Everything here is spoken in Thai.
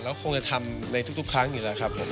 ก็คงจะทำในทุกครั้งอยู่แล้วครับผม